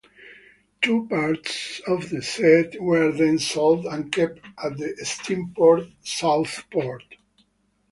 Two parts of the set were then sold and kept at Steamport, Southport.